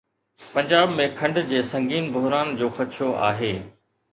پنجاب ۾ کنڊ جي سنگين بحران جو خدشو آهي